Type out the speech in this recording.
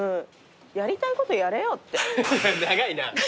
やりたいことやれよって。